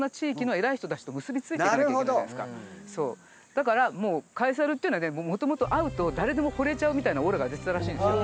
だからカエサルっていうのはもともと会うと誰でも惚れちゃうみたいなオーラが出てたらしいんですよ。